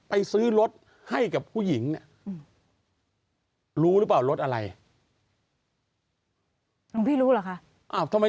ไปซื้อรถให้กับผู้หญิงรู้หรือเปล่ารถอะไร